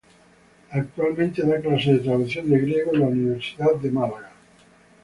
Actualmente da clases de traducción de griego en la Universidad de Málaga.